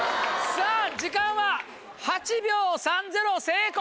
さぁ時間は８秒３０成功！